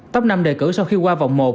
tốc năm đề cử sau khi qua vòng một